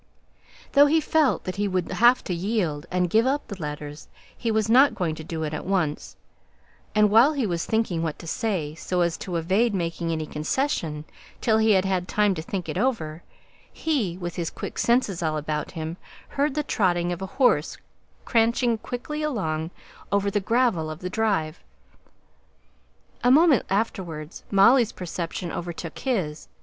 Though he felt that he would have to yield, and give up the letters, he was not going to do it at once; and while he was thinking what to say, so as still to evade making any concession till he had had time to think over it, he, with his quick senses all about him, heard the trotting of a horse cranching quickly along over the gravel of the drive. A moment afterwards, Molly's perception overtook his.